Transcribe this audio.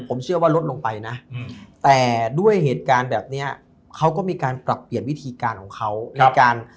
ผมเชื่อว่าลดลงไปนะแต่ด้วยเหตุการณ์แบบเนี้ยเขาก็มีการปรับเปลี่ยนวิธีการของเขาในการ